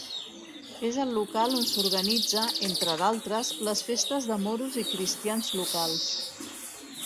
És el local on s'organitza, entre d'altres, les festes de moros i cristians locals.